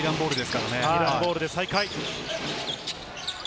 イランボールで再開。